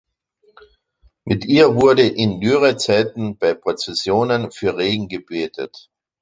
Mit ihr wurde in Dürrezeiten bei Prozessionen für Regen gebetet.